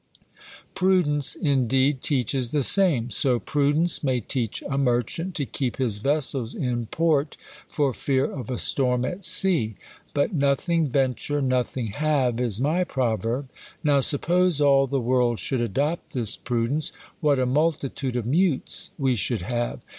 Prudence, indeed, teaches the same. So prudence may teach a merchant to keep his vessels in port for fear of a storm at sea. But, " nothing venture, nothing have" is my proverb. Nov\^ suppose all the world should adopt this prudence, what a multitude of mutes we should have